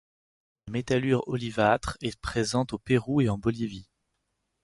La Métallure olivâtre est présente au Pérou et en Bolivie.